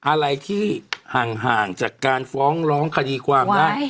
อะไรที่ห่างจากการฟ้องร้องคดีความได้